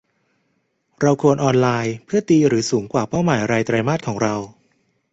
เราควรออนไลน์เพื่อตีหรือสูงกว่าเป้าหมายรายไตรมาสของเรา